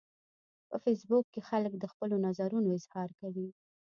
په فېسبوک کې خلک د خپلو نظرونو اظهار کوي